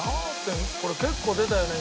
これ結構出たよね